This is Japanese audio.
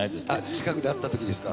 近くで会ったときですか。